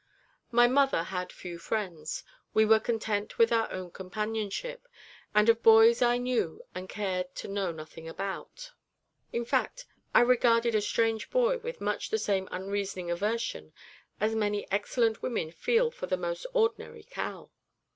My mother had few friends; we were content with our own companionship, and of boys I knew and cared to know nothing; in fact, I regarded a strange boy with much the same unreasoning aversion as many excellent women feel for the most ordinary cow.